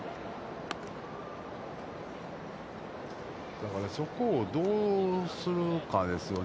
だから、そこをどうするかですよね。